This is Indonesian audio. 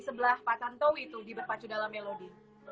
sebelah pak tantowi itu di berpacu dalam melodi